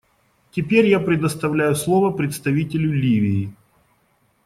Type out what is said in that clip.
Теперь я предоставляю слово представителю Ливии.